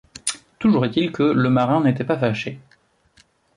Toujours est-il que le marin n’était pas fâché